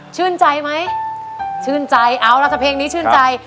ชื่นใจไหมชื่นใจเอาล่ะถ้าเพลงนี้ชื่นใจ